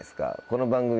この番組。